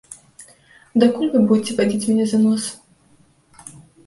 Дакуль вы будзеце вадзіць мяне за нос?